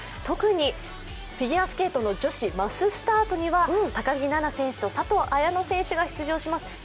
特に、フィギュアスケートの女子マススタートには高木菜那選手と佐藤綾乃選手が出場します。